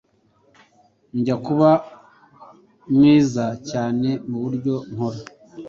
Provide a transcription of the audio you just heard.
Njya kuba mwiza cyane mubyo nkora.